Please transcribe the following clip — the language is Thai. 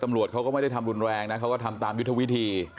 ตำรวจเขาก็ไม่ได้ทำรุนแรงนะเขาก็ทำตามยุทธวิธี